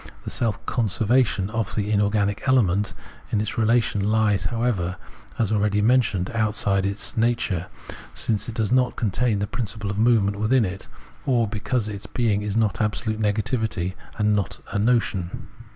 The self conservation of the inorganic element in its relation lies however, as already men tioned, outside its nature, since it does not contain the principle of movement within it, or because its being is not absolute negativity and not a notion.